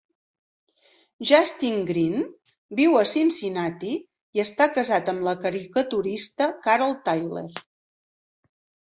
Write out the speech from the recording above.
Justin Green viu a Cincinnati i està casat amb la caricaturista Carol Tyler.